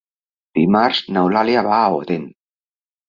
Dimarts n'Eulàlia va a Odèn.